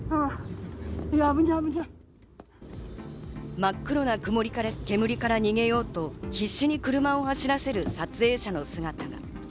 真っ黒な煙から逃げようと必死に車を走らせる撮影者の姿が。